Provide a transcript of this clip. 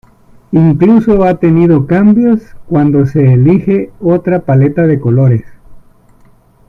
Incluso ha tenido cambios cuando se elige otra paleta de colores.